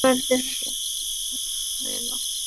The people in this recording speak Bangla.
আচ্ছা রেডি হয়ে নাও।